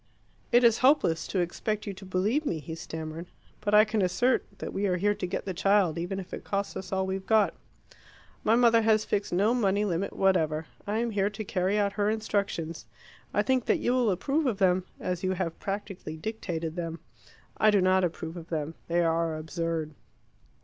"It is hopeless to expect you to believe me," he stammered. "But I can assert that we are here to get the child, even if it costs us all we've got. My mother has fixed no money limit whatever. I am here to carry out her instructions. I think that you will approve of them, as you have practically dictated them. I do not approve of them. They are absurd."